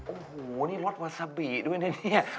โอ้โฮรสวาซับี่ด้วยนะนี่